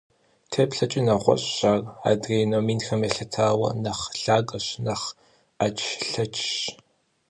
ТеплъэкӀи нэгъуэщӀщ ар, адрей номинхэм елъытауэ, нэхъ лъагэщ, нэхъ Ӏэчлъэчщ.